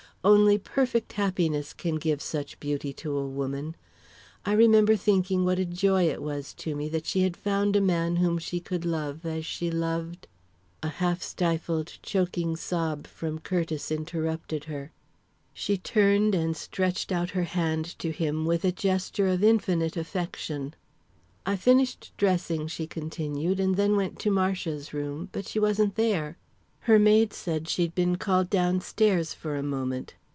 Only perfect happiness can give such beauty to a woman. I remember thinking what a joy it was to me that she had found a man whom she could love as she loved " A half stifled, choking sob from Curtiss interrupted her. She turned and stretched out her hand to him, with a gesture of infinite affection. "I finished dressing," she continued, "and then went to Marcia's room, but she wasn't there. Her maid said she'd been called downstairs for a moment.